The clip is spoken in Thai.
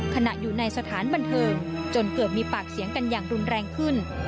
ขณะอยู่ในสถานบันเทิงจนเกิดมีปากเสียงกันอย่างรุนแรงขึ้น